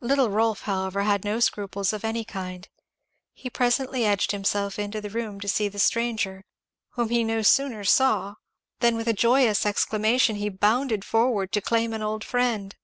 Little Rolf, however, had no scruples of any kind. He presently edged himself into the room to see the stranger whom he no sooner saw than with a joyous exclamation he bounded forward to claim an old friend.